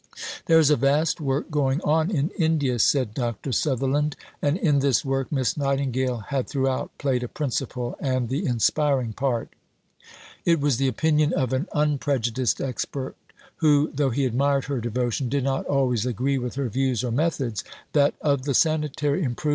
"There is a vast work going on in India," said Dr. Sutherland; and in this work Miss Nightingale had throughout played a principal, and the inspiring, part. It was the opinion of an unprejudiced expert who, though he admired her devotion, did not always agree with her views or methods, that "of the sanitary improvements in India three fourths are due to Miss Nightingale."